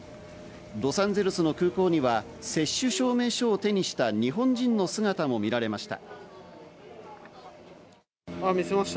ロサンゼルスの空港には接種証明証を手にした日本人の姿も見られました。